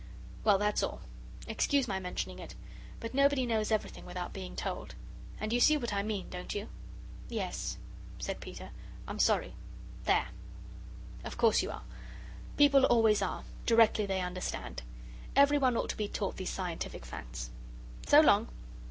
"Well, that's all. Excuse my mentioning it. But nobody knows everything without being told. And you see what I mean, don't you?" "Yes," said Peter. "I'm sorry. There!" "Of course you are! People always are directly they understand. Everyone ought to be taught these scientific facts. So long!"